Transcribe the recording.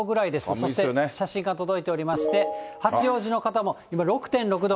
そして、写真が届いておりまして、八王子の方も今、６．６度。